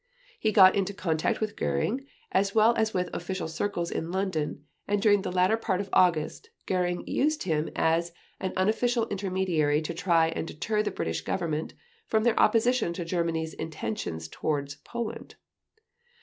He got into contact with Göring as well as with official circles in London, and during the latter part of August, Göring used him as an unofficial intermediary to try and deter the British Government from their opposition to Germany's intentions towards Poland.